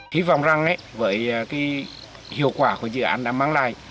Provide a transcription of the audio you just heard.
hy vọng rằng với hiệu quả của dự án đã mang lại